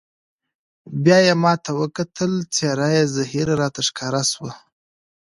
بیا یې ما ته وکتل، څېره یې زهېره راته ښکاره شوه.